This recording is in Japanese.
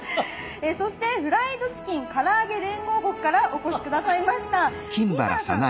そしてフライドチキン・からあげ連合国からお越し下さいました金原さん。